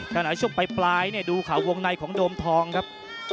กระหน่าช่วงปลายดูข่าววงในของโดมทองครับ